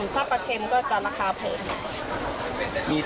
ถ้าปลาเค็มก็จะราคาแพง